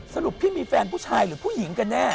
พี่มีแฟนผู้ชายหรือผู้หญิงกันแน่